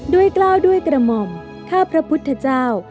กล้าวด้วยกระหม่อมข้าพระพุทธเจ้า